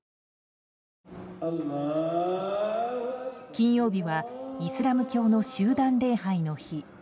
金曜日はイスラム教の集団礼拝の日。